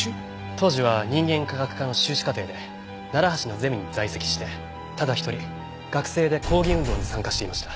当時は人間科学科の修士課程で楢橋のゼミに在籍してただ一人学生で抗議運動に参加していました。